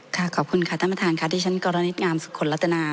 ขอบคุณค่ะท่านประธานค่ะที่ฉันกรณิตงามสุขลัตนา